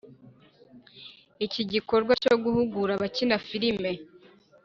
iki gikorwa cyo guhugura abakina filime